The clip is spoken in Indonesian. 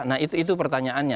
nah itu pertanyaannya